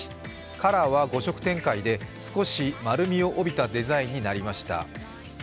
カラーは５色展開で、少し丸みを帯びたデザインになりました。